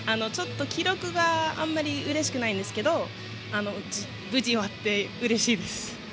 記録はあんまりうれしくないんですが無事に終わってうれしいです。